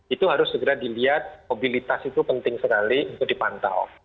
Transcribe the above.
itu harus segera dilihat mobilitas itu penting sekali untuk dipantau